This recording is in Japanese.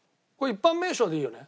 一般名称でいいよね？